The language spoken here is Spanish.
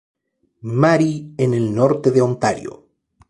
Marie en el Norte de Ontario.